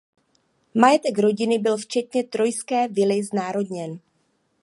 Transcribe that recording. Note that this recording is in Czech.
Majetek rodiny byl včetně trojské vily znárodněn.